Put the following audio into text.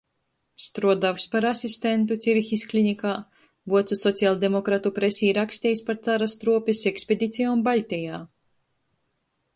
Struoduojs par asistentu Cirihis klinikā, vuocu socialdemokratu presē rakstejs par cara struopis ekspedicijom Baļtejā,